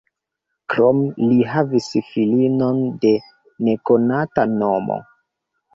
Krome li havis filinon de nekonata nomo.